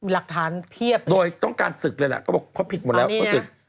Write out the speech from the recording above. หลักฐานเพียบโดยต้องการศึกเลยแหละก็บอกเขาผิดหมดแล้วเขาศึก